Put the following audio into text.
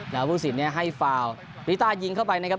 แล้วผู้สินให้ฟาวลีต้ายิงเข้าไปนะครับ